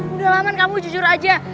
udah laman kamu jujur aja